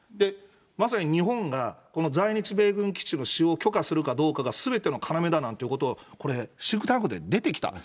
まさに日本がこの在日米軍基地の使用を許可するかどうかがすべてのかなめだなんていうことをシンクタンクで出てきたんですよ。